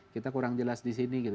kita kurang jelas di sini